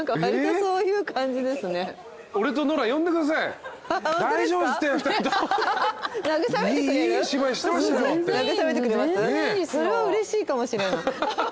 それはうれしいかもしれない。